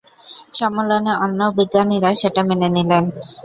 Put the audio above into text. সম্মেলনে অন্য বিজ্ঞানীরা সেটা মেনে নিলেন।